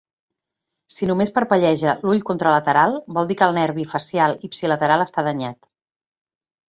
Si només parpelleja l"ull contralateral, vol dir que el nervi facial ipsilateral està danyat.